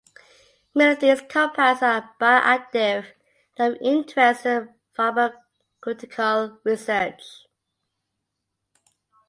Many of these compounds are bioactive and are of interest in pharmaceutical research.